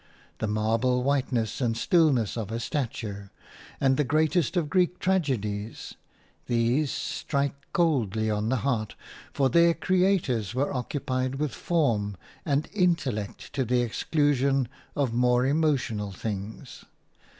The marble whiteness and stillness of a statue, and the greatest of Greek tragedies – these strike coldly on the heart, for their creators were occupied with form and intellect to the exclusion of more emotional things.